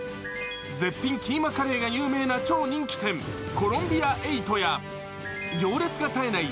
絶品キーマカレーが有名な超人気店、コロンビアエイトや行列が絶えない